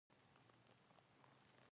حجره د ژوند د جوړښت بنسټیز واحد دی